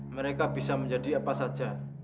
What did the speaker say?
mereka bisa menjadi apa saja